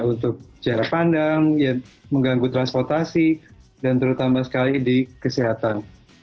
untuk jarak pandang mengganggu transportasi dan terutama sekali di kesehatan